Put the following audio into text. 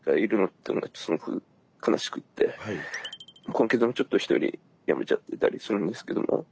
今月もちょっとひとり辞めちゃってたりするんですけども。